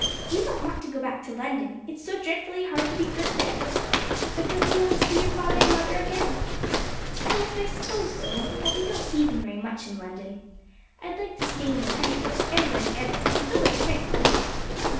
We don't want to go back to London; it's so dreadfully hard to be good there.' 'But don't you want to see your father and mother again?' 'Yes, I s'pose so; but we don't see them very much in London. I'd like to stay in the country for ever and ever, and so would Prince.'